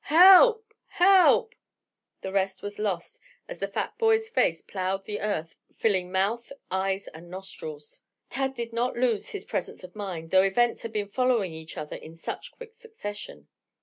"Help! Help!" The rest was lost as the fat boy's face plowed the earth filling mouth, eyes and nostrils. Tad did not lose his presence of mind, though events had been following each other in such quick succession.